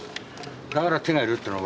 だから手がいるっての。